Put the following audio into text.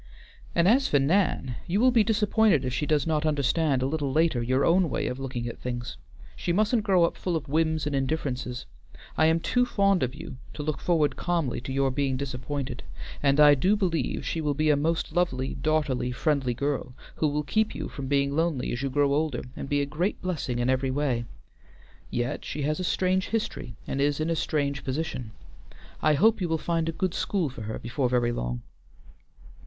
"And as for Nan, you will be disappointed if she does not understand a little later your own way of looking at things. She mustn't grow up full of whims and indifferences. I am too fond of you to look forward calmly to your being disappointed, and I do believe she will be a most lovely, daughterly, friendly girl, who will keep you from being lonely as you grow older, and be a great blessing in every way. Yet she has a strange history, and is in a strange position. I hope you will find a good school for her before very long."